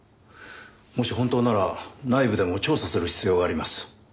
もし本当なら内部でも調査する必要があります。